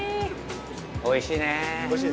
◆おいしいね。